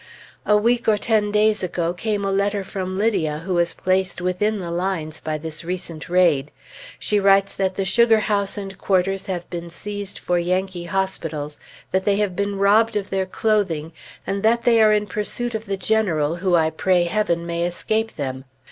A week or ten days ago came a letter from Lydia, who is placed within the lines by this recent raid. She writes that the sugar house and quarters have been seized for Yankee hospitals, that they have been robbed of their clothing, and that they are in pursuit of the General, who I pray Heaven may escape them.